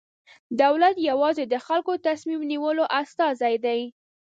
دولت یوازې د خلکو د تصمیم نیولو استازی دی.